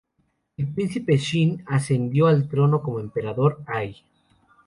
El Príncipe Xin ascendió al trono como el Emperador Ai.